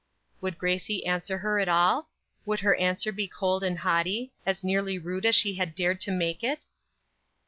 Would Gracie answer her at all? Would her answer be cold and haughty; as nearly rude as she had dared to make it?